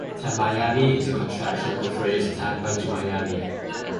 Tamiami is a contraction of the phrase "Tampa to Miami".